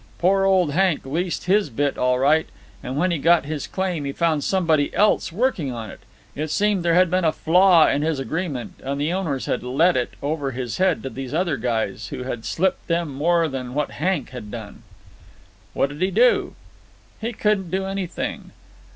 Poor old Hank leased his bit, all right, and when he'd got to his claim he found somebody else working on it. It seemed there had been a flaw in his agreement and the owners had let it over his head to these other guys, who had slipped them more than what Hank had done." "What did he do?" "He couldn't do anything.